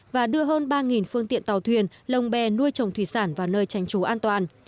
và đưa hơn ba phương tiện tàu thuyền lồng bè nuôi trồng thủy sản vào nơi tránh trú an toàn